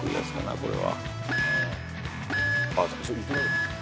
これは。